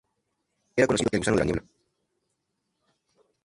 Era conocido como el "gusano de la niebla".